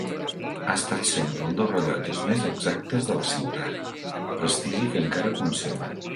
Ha estat sempre un dels rellotges més exactes de la ciutat, prestigi que encara conserva.